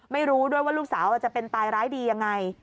ไม่รู้ด้วยว่าลูกสาวจะเป็นตายร้ายดียังไง